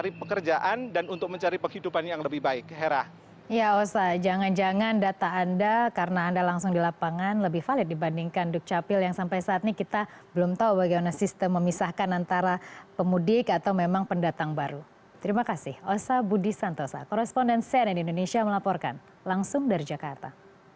jika tidak tercatat kemudian memang secara faktual mereka tidak memiliki skill yang cukup untuk bisa hidup di ibu kota